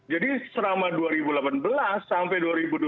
jadi selama dua ribu delapan belas sampai dua ribu dua puluh dua